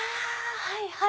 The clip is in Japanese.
はいはい。